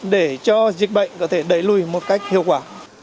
để cho dịch bệnh có thể đẩy lùi một cách hiệu quả